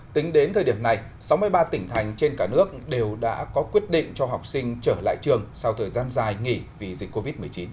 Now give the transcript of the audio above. tính đến thời điểm này sáu mươi ba tỉnh thành trên cả nước đều đã có quyết định cho học sinh trở lại trường sau thời gian dài nghỉ vì dịch covid một mươi chín